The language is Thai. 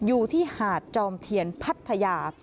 อยู่ที่หาดจอมเทียนพัทยา